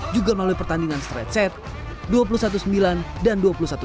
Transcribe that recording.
juga melalui pertandingan straight set dua puluh satu sembilan dan dua puluh satu tujuh belas